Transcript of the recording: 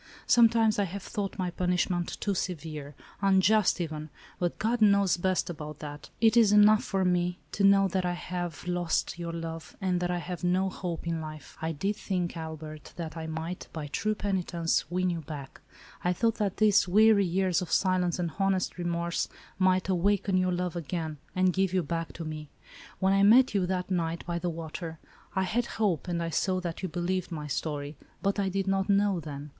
Sometimes I have thought my punishment too severe, unjust even, but God knows best about that. It is enough for me, to know that I have 80 ALICE; OR, THE WAGES OF SIN. lost your love, and that I have no hope in life. I did think, Albert, that I might, by true peni tence, win you back. I thought that these weary years of silence and honest remorse might awa ken your love again, and give you back to me. When I met you, that night, by the water; I had hope, and I saw that you believed my story ; but I did not know, then.